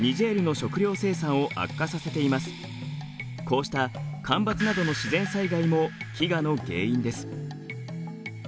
こうした干ばつなどの自然災害も飢餓の原因です。